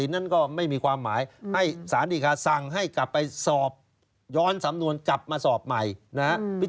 คนก็พูดว่าตาย้ายเก็บเห็ด